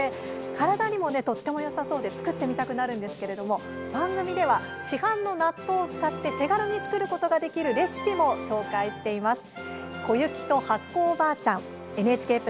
体によさそうなので作ってみたくなりますけれども番組では市販の納豆を使って手軽に作ることができるレシピも紹介しています。